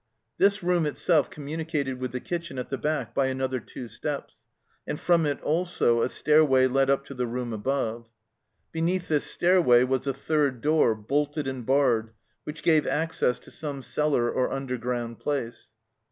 This room itself communicated with the kitchen at the back by another two steps, and from it also a stair way led up to the room above. Beneath this stair way was a third door, bolted and barred, which gave access to some cellar or underground place.